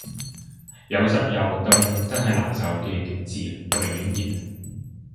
有濕又凍真係難受嘅極致，我寧願熱